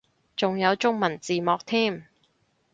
仲有中文字幕添